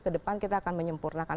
ke depan kita akan menyempurnakan